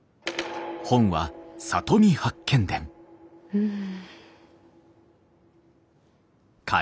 うん。